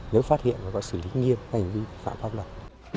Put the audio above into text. nếu phát hiện và xử lý nghiêm hành vi phạm pháp luật